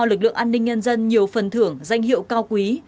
lực lượng an ninh nhân dân nhiều phần thưởng danh hiệu cao quý